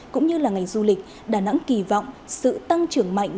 cũng như là ngành du lịch đà nẵng kỳ vọng sự tăng trưởng mạnh